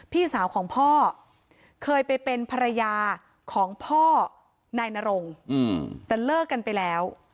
พี่สาวของพ่อเคยไปเป็นภรรยาของพ่อนายนรงแต่เลิกกันไปแล้ว